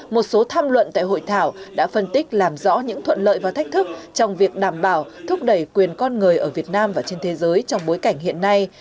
một số tham luận tại hội thảo đã phân tích làm rõ những thuận lợi và thách thức trong việc đảm bảo thúc đẩy quyền con người ở việt nam và trên thế giới trong bối cảnh hiện nay